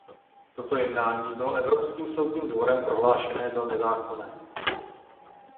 Toto jednání bylo Evropským soudním dvorem prohlášené za nezákonné.